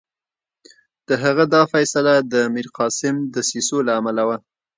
د هغه دا فیصله د میرقاسم دسیسو له امله وه.